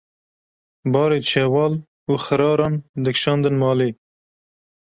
barê çewal û xiraran dikşandin malê.